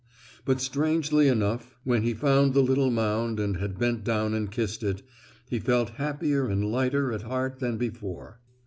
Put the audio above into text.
But strangely enough, when he found the little mound and had bent down and kissed it, he felt happier and lighter at heart than before.